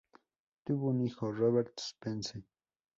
Tuvo un hijo, Robert Spence.